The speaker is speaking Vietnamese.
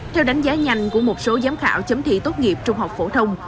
theo đánh giá nhanh của một số giám khảo chấm thi tốt nghiệp trung học phổ thông